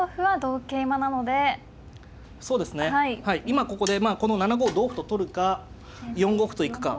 今ここでこの７五同歩と取るか４五歩と行くか。